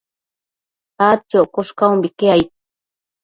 adquioccosh caumbique aid